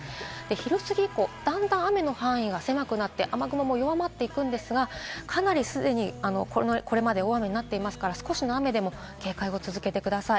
昼すぎ以降だんだん雨の範囲が狭くなって雨雲も弱まっていくんですが、かなりこれまで大雨になっていますから、少しの雨でも警戒を続けてください。